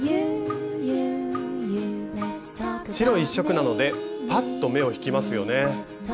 白１色なのでパッと目を引きますよね。